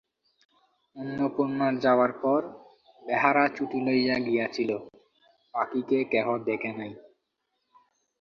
অন্নপূর্ণার যাওয়ার পর বেহারা ছুটি লইয়া গিয়াছিল, পাখিকে কেহ দেখে নাই।